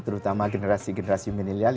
terutama generasi generasi menilai